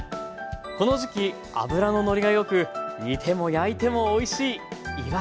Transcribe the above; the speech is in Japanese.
この時期脂ののりがよく煮ても焼いてもおいしいいわし。